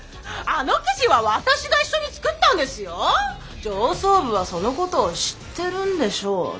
上層部はそのことを知ってるんでしょうな？